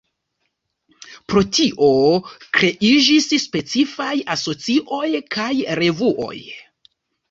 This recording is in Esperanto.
Pro tio, kreiĝis specifaj asocioj kaj revuoj.